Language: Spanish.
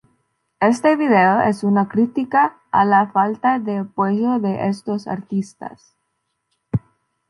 Este video es una crítica a la falta de apoyo de estos artistas.